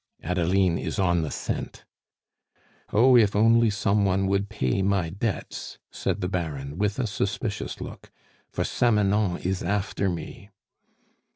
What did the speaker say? "Adeline is on the scent." "Oh, if only some one would pay my debts!" said the Baron, with a suspicious look, "for Samanon is after me."